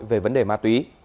về vấn đề ma túy